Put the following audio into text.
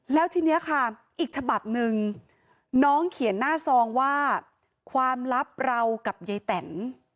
แล้วทีนี้ค่ะอีกฉบับหนึ่งน้องเขียนหน้าซองว่าความลับเรากับยายแตน